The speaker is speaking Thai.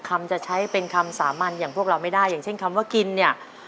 คำจะใช้เป็นคำสามัญอย่างพวกเราไม่ได้อย่างเช่นคำว่ากินเนี่ย